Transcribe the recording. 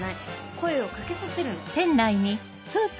声を掛けさせるの。